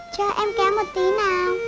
cho em kéo một tí nào